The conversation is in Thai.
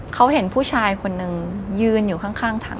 เขาเห็นผู้ชายคนนึงยืนอยู่ข้างทาง